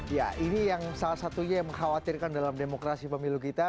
ya ini yang salah satunya yang mengkhawatirkan dalam demokrasi pemilu kita